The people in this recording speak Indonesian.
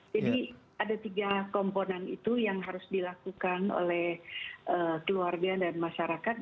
jadi ada tiga komponen itu yang harus dilakukan oleh keluarga dan masyarakat